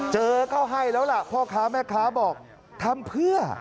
เจอก็ให้แล้วล่ะพ่อค้าแม่ค้าบอกทำเพื่อ